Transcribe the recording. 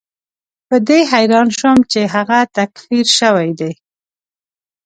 په دې حیران شوم چې هغه تکفیر شوی دی.